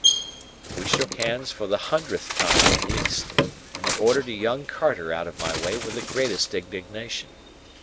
We shook hands for the hundredth time at least, and he ordered a young carter out of my way with the greatest indignation.